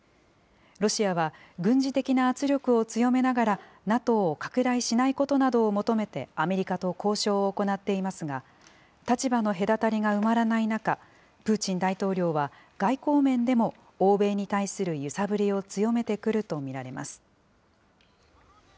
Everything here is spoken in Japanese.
ロシアは、軍事的な圧力を強めながら、ＮＡＴＯを拡大しないことなどを求めてアメリカと交渉を行っていますが、立場の隔たりが埋まらない中、プーチン大統領は外交面でも欧米に対する揺さぶりを